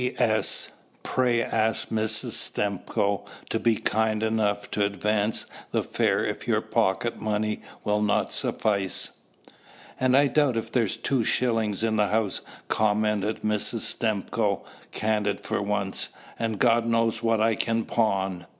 "P.S. Pray ask Mrs. Stimcoe to be kind enough to advance the fare if your pocket money will not suffice." "And I doubt if there's two shillings in the house!" commented Mrs. Stimcoe, candid for once, "and God knows what I can pawn!"